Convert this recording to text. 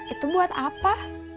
itu buat apa